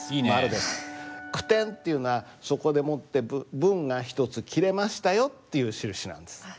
句点っていうのはそこでもって文が１つ切れましたよっていう印なんです。